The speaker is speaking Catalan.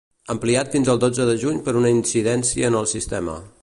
Ampliat fins al dotze de juny per una incidència en el sistema.